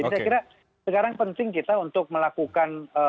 jadi saya kira sekarang penting kita untuk melakukan